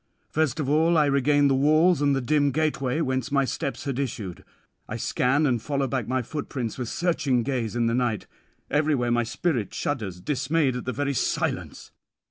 First of all I regain the walls and the dim gateway whence my steps had issued; I scan and follow back my footprints with searching gaze in the night. Everywhere my spirit shudders, dismayed at the very silence.